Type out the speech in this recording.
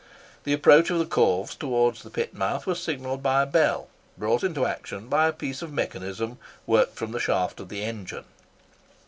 The approach of the corves towards the pit mouth was signalled by a bell, brought into action by a piece of mechanism worked from the shaft of the engine.